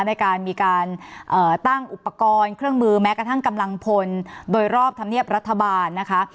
ในการมีการตั้งอุปกรณ์เครื่องมือแม้กระทั่งกำลังพลโดยรอบธรรมเนียบรัฐบาลนะคะ